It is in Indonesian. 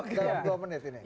dalam dua menit ini